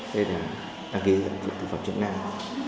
đây là đăng ký dưới dạng là thực phẩm chức năng